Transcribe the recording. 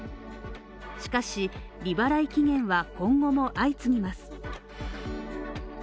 しかし、利払い期限は、今後も相次ぎます。